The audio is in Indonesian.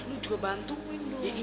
lu juga bantuin